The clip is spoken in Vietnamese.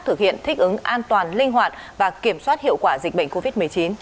thực hiện thích ứng an toàn linh hoạt và kiểm soát hiệu quả dịch bệnh covid một mươi chín